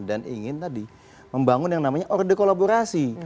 dan ingin tadi membangun yang namanya orde kolaborasi